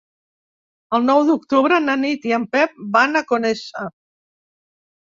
El nou d'octubre na Nit i en Pep van a Conesa.